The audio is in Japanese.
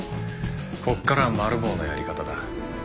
ここからはマル暴のやり方だ。